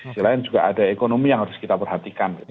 selain juga ada ekonomi yang harus kita perhatikan gitu ya